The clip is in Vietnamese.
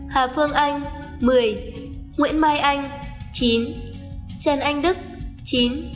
hà phương anh một mươi nguyễn mai anh chín trần anh đức chín